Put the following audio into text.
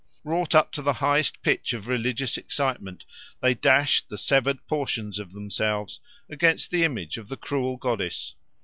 Wrought up to the highest pitch of religious excitement they dashed the severed portions of themselves against the image of the cruel goddess.